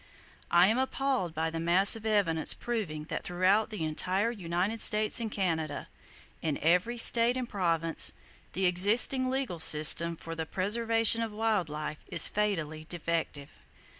I am appalled by the mass of evidence proving that throughout the entire United States and Canada, in every state and province, the existing legal system for the preservation of wild life is fatally defective.